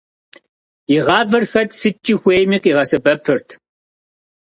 И гъавэр хэт сыткӏэ хуейми къигъэсэбэпырт.